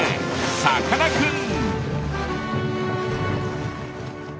さかなクン！